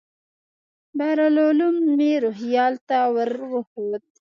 بحر العلوم مې روهیال ته ور وښود.